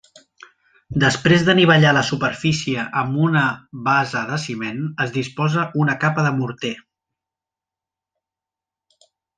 Després d'anivellar la superfície amb una base de ciment, es disposa una capa de morter.